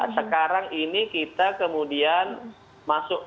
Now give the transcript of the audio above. sekarang ini kita kemudian masuk